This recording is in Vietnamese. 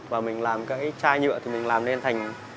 và mình làm cái chai nhựa thì mình làm lên thành